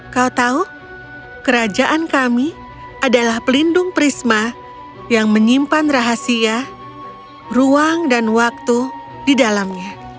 kau tahu kerajaan kami adalah pelindung prisma yang menyimpan rahasia ruang dan waktu di dalamnya